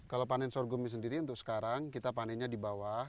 kalau panen sorghum sendiri untuk sekarang kita panennya di bawah